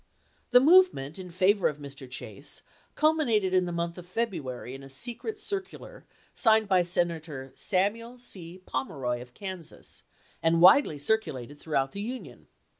The movement in favor of Mr. Chase culminated in the month of February in a secret circular signed by Senator Samuel C. Pomeroy of Kansas, and widely circulated through the Union.